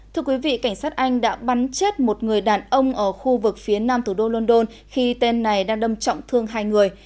thưa quý vị cảnh sát anh đã bắn chết một người đàn ông ở khu vực phía nam thủ đô london khi tên này đang đâm trọng thương hai người